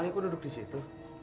saya kok duduk di situ